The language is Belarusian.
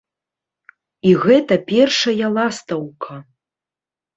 І гэта першая ластаўка.